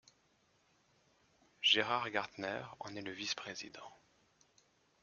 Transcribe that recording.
Gérard Gartner en est le vice-président.